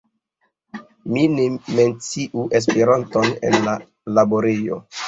Mi ne menciu Esperanton en la laborejo.